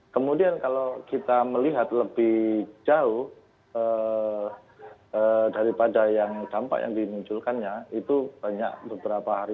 kemudian kalau kita melihat lebih jauh daripada yang dampak yang dimunculkannya itu banyak beberapa hari